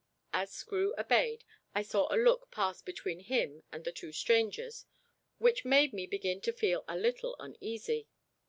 As Screw obeyed I saw a look pass between him and the two strangers which made me begin to feel a little uneasy.